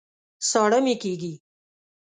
ساړه مي کېږي